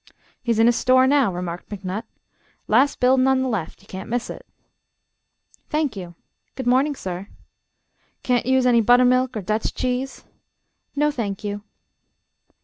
"He's in his store now." remarked McNutt, "Last buildin' on the left. Ye can't miss it." "Thank you. Good morning, sir." "Can't use any buttermilk er Dutch cheese?" "No, thank you."